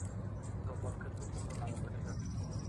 গোপালকে শশী প্রণাম করিল।